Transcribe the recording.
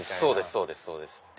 そうですそうです。